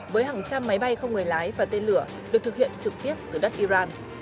với hàng trăm máy bay không người lái và tên lửa được thực hiện trực tiếp từ đất iran